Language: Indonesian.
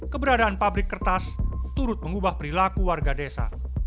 keberadaan pabrik kertas turut mengubah perilaku warga desa